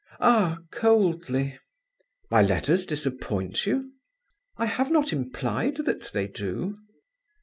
"Ah, coldly!" "My letters disappoint you?" "I have not implied that they do."